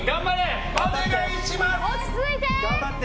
お願いします！